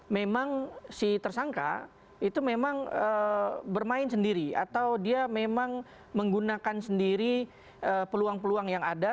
memang si tersangka itu memang bermain sendiri atau dia memang menggunakan sendiri peluang peluang yang ada